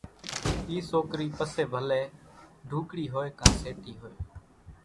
اِي سوڪري پسي ڀلي ڍوڪڙي ھوئي ڪان سيٽي ھوئي،